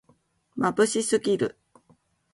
まぶしすぎる